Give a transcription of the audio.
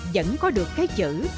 vẫn có được cái chữ